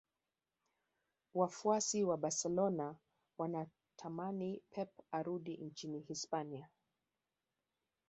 wafuasi wa barcelona wanatamani pep arudi nchini hispania